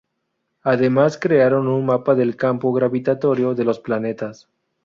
Además crearon un mapa del campo gravitatorio del los planetas.